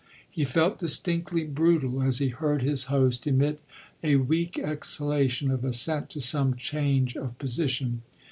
He felt distinctly brutal as he heard his host emit a weak exhalation of assent to some change of position.